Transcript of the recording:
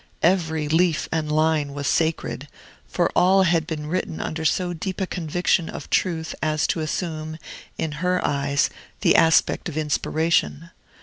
Every leaf and line was sacred, for all had been written under so deep a conviction of truth as to assume, in her eyes, the aspect of inspiration.